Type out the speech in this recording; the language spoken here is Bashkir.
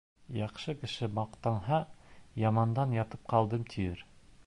Яҡшы кеше маҡтанһа, ямандан ятып ҡалдым, тиер.